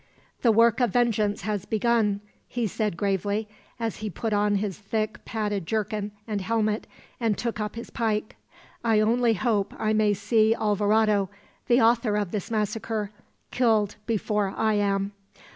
"The work of vengeance has begun," he said gravely, as he put on his thick padded jerkin and helmet, and took up his pike. "I only hope I may see Alvarado, the author of this massacre, killed before I am."